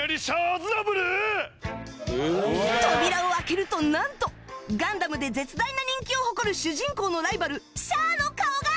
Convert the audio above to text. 扉を開けるとなんと『ガンダム』で絶大な人気を誇る主人公のライバルシャアの顔が！